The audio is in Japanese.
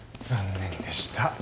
残念でした。